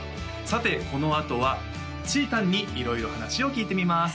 さてこのあとはちーたんに色々話を聞いてみます